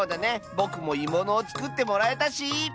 ぼくもいものをつくってもらえたし！